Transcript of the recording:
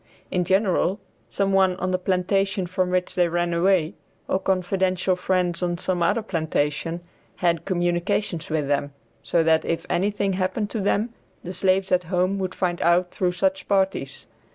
In general, some one on the plantation from which they ran away, or confidential friends on some other plantation, had communication with them, so that if anything happened to them the slaves at home would find out through such parties.